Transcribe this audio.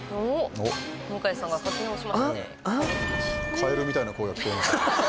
カエルみたいな声が聞こえました。